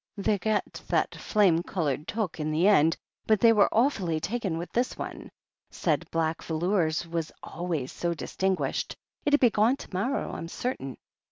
They got that flame coloured toque in the end, but they were awfully taken with this one — ^said black velours was always so distinguished. It'll be gone to morrow, I'm certain."